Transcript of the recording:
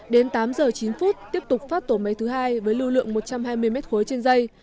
đến tám giờ chín phút tiếp tục phát tổ máy thứ hai với lưu lượng một trăm hai mươi m ba trên dây